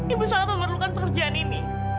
ibu sangat memerlukan pekerjaan ini